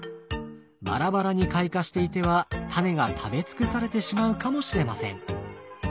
バラバラに開花していてはタネが食べ尽くされてしまうかもしれません。